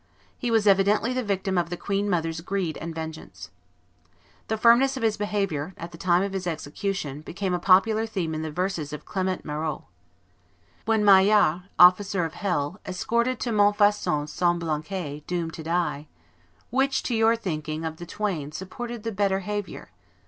He was evidently the victim of the queen mother's greed and vengeance. The firmness of his behavior, at the time of his execution, became a popular theme in the verses of Clement Marot: When Maillart, officer of hell, escorted To Montfaucon Semblancay, doomed to die, Which, to your thinking, of the twain supported The better havior?